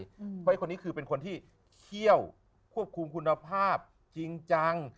เพราะคนนี้คือเป็นคนที่เคี่ยวควบคุมคุณภาพจริงจัง